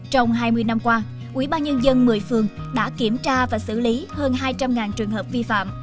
trong hai mươi năm qua ubnd một mươi phường đã kiểm tra và xử lý hơn hai trăm linh trường hợp vi phạm